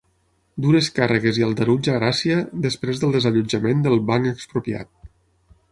Dures càrregues i aldarulls a Gràcia, després del desallotjament del ‘Banc Expropiat’